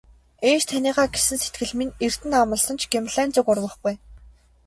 Ээж таныгаа гэсэн сэтгэл минь эрдэнэ амласан ч Гималайн зүг урвахгүй ээ.